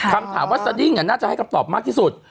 คำถามว่าสดิ้งน่าจะให้คำตอบมากที่สุด